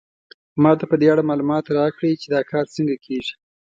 ما ته په دې اړه معلومات راکړئ چې دا کار څنګه کیږي